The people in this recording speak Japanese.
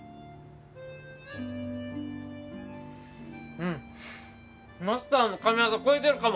うんマスターの神業超えてるかも！